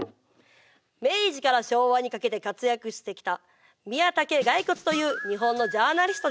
明治から昭和にかけて活躍してきた宮武外骨という日本のジャーナリストです。